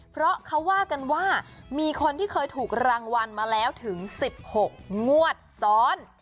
เพราะเขาว่ากันว่ามีคนที่เคยถูกรางวัลมาแล้วถึง๑๖งวดซ้อน